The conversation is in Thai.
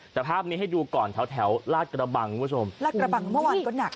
แต่ภาพนี้ให้ดูก่อนแถวแถวลาดกระบังคุณผู้ชมลาดกระบังเมื่อวานก็หนัก